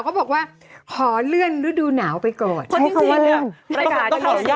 เขาเข้าใจแล้ว